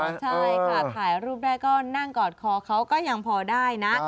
ใช่ค่ะถ่ายรูปได้ก็นั่งกอดคอเขาก็ยังพอได้นะ